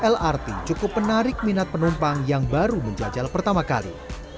lrt cukup menarik minat penumpang yang baru menjajal pertama kali